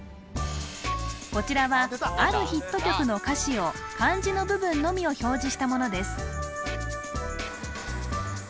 こちらはあるヒット曲の歌詞を漢字の部分のみを表示したものです